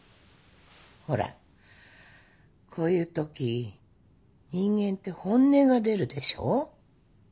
ほらこういうとき人間って本音が出るでしょ？